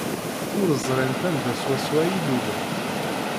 Ur ẓrint anda swaswa ay lulent.